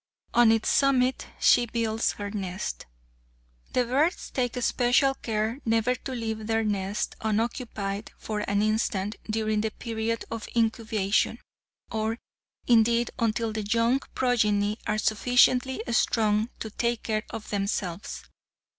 On its summit she builds her nest. The birds take especial care never to leave their nests unoccupied for an instant during the period of incubation, or, indeed, until the young progeny are sufficiently strong to take care of themselves.